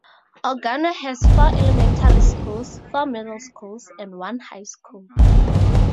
Ogano has four elementary schools, four middle schools and one high school.